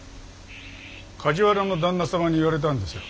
梶原の旦那様に言われたんですよ。